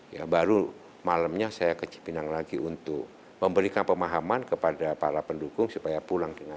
ya baru malamnya saya ke cipinang lagi untuk memberikan pemahaman kepada para pendukung supaya pulang dengan